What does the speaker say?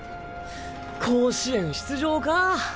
甲子園出場か。